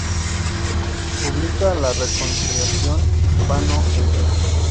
Publica "La reconciliación hispano-hebrea".